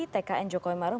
tkn jokowi maruh